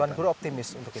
tuhan guru optimis untuk kita